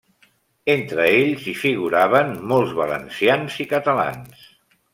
Entre ells hi figuraven molts valencians i catalans.